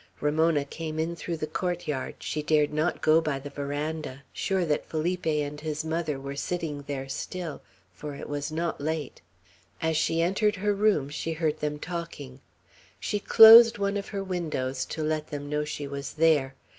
Ramona came in through the court yard; she dared not go by the veranda, sure that Felipe and his mother were sitting there still, for it was not late. As she entered her room, she heard them talking. She closed one of her windows, to let them know she was there.